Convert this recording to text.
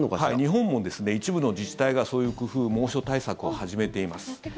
日本も一部の自治体がそういう工夫、猛暑対策を始めています。